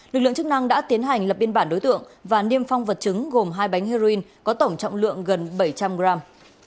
lực lượng chức năng đã tiến hành lập biên bản đối tượng và niêm phong vật chứng gồm hai bánh heroin có tổng trọng lượng gần bảy trăm linh gram